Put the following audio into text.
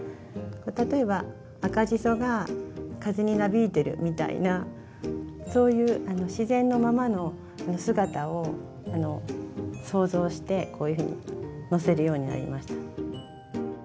例えば赤じそが風になびいてるみたいなそういう自然のままの姿を想像してこういうふうにのせるようになりました。